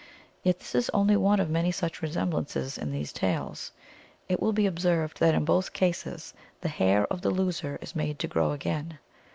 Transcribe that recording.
Yet this is only one of many such resemblances in these tales. It will be observed that in both cases the hair of the loser is made to grow again.